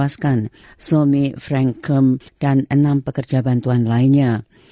somi frankom dan enam pekerja bantuan lainnya